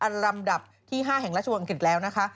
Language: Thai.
อันดับที่๕แห่งราชวงศังกฤษแล้วนะคะ